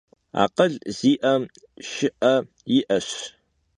Akhıl zi'em şşı'e yi'eş.